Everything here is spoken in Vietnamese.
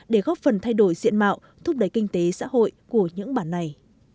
để góp phần thay đổi diện mạo thúc đẩy kinh tế xã hội của những bản này